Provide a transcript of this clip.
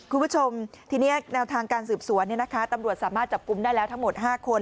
คุณผู้ชมทีนี้แนวทางการสืบสวนตำรวจสามารถจับกลุ่มได้แล้วทั้งหมด๕คน